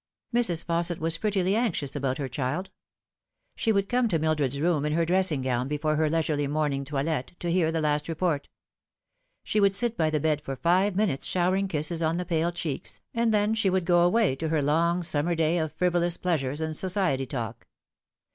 Mrs. Fausset was prettily anxious about her child. She 32 The Fatal TJvr6. would come to Mildred's room in her dressing gown before he* leisurely morning toilet, to hear the last report. She would sit by the bed for five minutes showering kisses on the pale cheeks, and then she would go away to her long summer day of frivo lous pleasures and society talk.